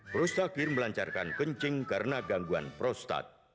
prostakir melancarkan kencing karena gangguan prostat